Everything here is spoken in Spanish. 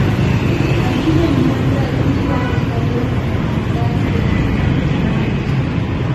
Aquí se encuentra el único apostadero continental de elefantes marinos.